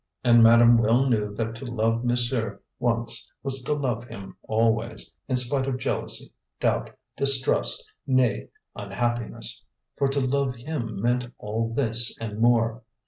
And madame well knew that to love monsieur once was to love him always, in spite of jealousy, doubt, distrust, nay, unhappiness (for to love him meant all this and more).